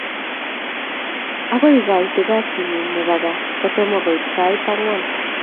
Akoi ikoite kasit ngung nebo gaa kotomo koit ko angwani kasiit